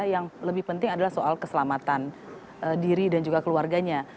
yang lebih penting adalah soal keselamatan diri dan juga keluarganya